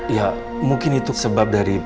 ya mungkin itu sebab dari